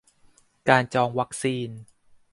การจองวัคซีน